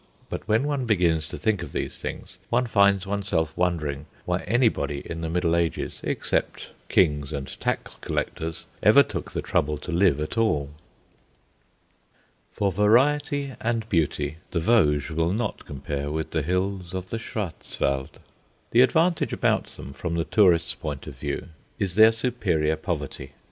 But when one begins to think of these things one finds oneself wondering why anybody in the Middle Ages, except kings and tax collectors, ever took the trouble to live at all. For variety and beauty, the Vosges will not compare with the hills of the Schwarzwald. The advantage about them from the tourist's point of view is their superior poverty.